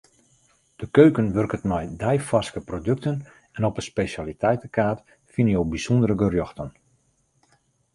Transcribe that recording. De keuken wurket mei deifarske produkten en op 'e spesjaliteitekaart fine jo bysûndere gerjochten.